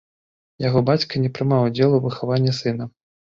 Яго бацька не прымаў удзелу ў выхаванні сына.